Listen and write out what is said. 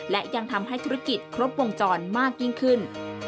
และยังทำให้ธุรกิจครบวงจรมากยิ่งขึ้น